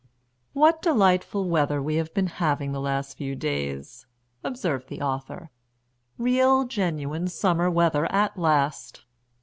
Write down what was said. "What delightful weather we have been having the last few days!" observed the author. "Real genuine summer weather at last."